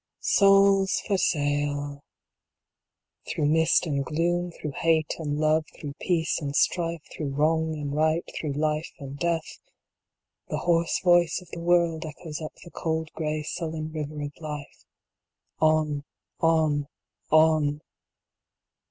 souls for sale 1 Through mist and gloom, Through hate and love, Through peace and strife, Through wrong and right, Through life and death, The hoarse voice of the world echoes up the cold gray sullen river of life. On, on, on